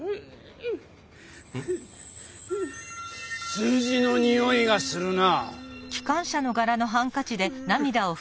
数字のにおいがするな。